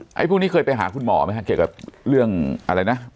เอ๊ะเพิ่งนี้เคยไปหาคุณหมอไหมครับเกี่ยวกับเรื่องอะไรนะ